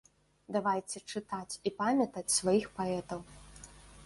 Давайце чытаць і памятаць сваіх паэтаў.